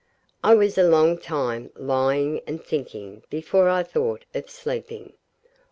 I was a long time lying and thinking before I thought of sleeping.